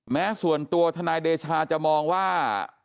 แม้ส่วนตัวทนายเดชาจะมองว่า